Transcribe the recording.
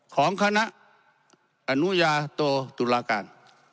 ของคณะอนุญาโตตุลาการ